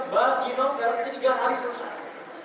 bagi no garanti tiga hari selesai